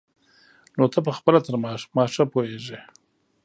نو ته پخپله تر ما ښه پوهېږي.